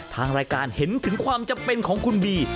ทางรายการเห็นถึงความจำเป็นของคุณบี